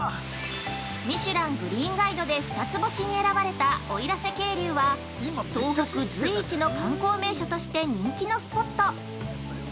◆ミシュラン・グリーンガイドで二つ星に選ばれた奥入瀬渓流は東北随一の観光名所として人気のスポット。